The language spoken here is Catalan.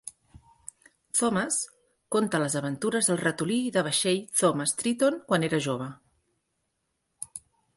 Thomas conta les aventures del ratolí de vaixell Thomas Triton quan era jove.